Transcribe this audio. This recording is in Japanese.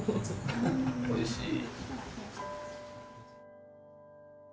おいしい。